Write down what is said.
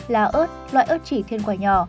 lá ớt loại ớt chỉ thiên quả nhỏ